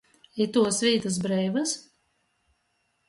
Ituos vītys breivys?